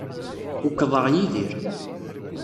Ukḍeɣ Yidir.